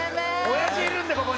親父いるんでここに。